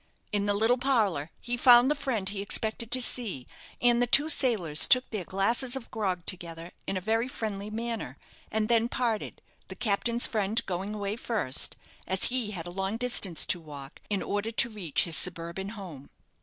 In the little parlour he found the friend he expected to see, and the two sailors took their glasses of grog together in a very friendly manner, and then parted, the captain's friend going away first, as he had a long distance to walk, in order to reach his suburban home.